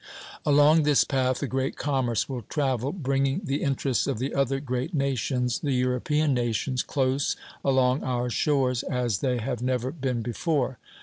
Along this path a great commerce will travel, bringing the interests of the other great nations, the European nations, close along our shores, as they have never been before.